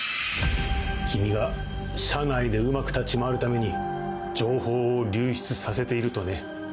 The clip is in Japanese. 君が社内でうまく立ち回るために情報を流出させているとね。